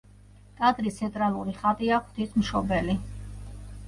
ტაძრის ცენტრალური ხატია „ღვთისმშობელი“.